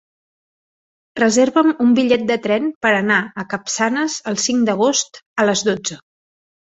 Reserva'm un bitllet de tren per anar a Capçanes el cinc d'agost a les dotze.